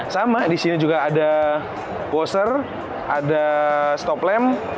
sama di sini juga ada poster ada stop lamp